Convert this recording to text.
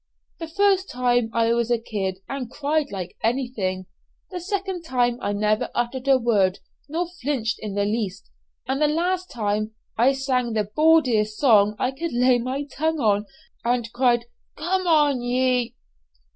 "The first time I was a kid, and cried like anything; the second time I never uttered a word nor flinched in the least; and the last time, I sang the bawdiest song I could lay my tongue on, and cried, 'Come on, ye